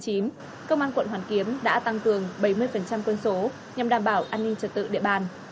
công an quận hoàn kiếm đã tăng cường bảy mươi quân số nhằm đảm bảo an ninh trật tự địa bàn